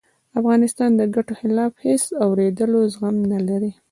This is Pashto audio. د افغانستان د ګټو خلاف هېڅ د آورېدلو زغم نه لرم